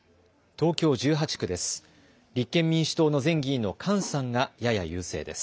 東京１８区です。